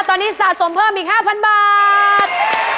ตอนนี้สะสมเพิ่มอีก๕๐๐บาท